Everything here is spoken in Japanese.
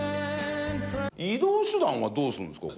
移動手段はどうするんですか？